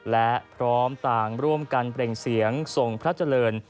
และพร้อมต่างร่วมกันเปล่งเสียงทรงพระเจริญ